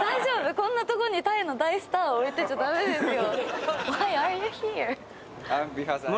こんなとこにタイの大スターを置いてちゃダメですよ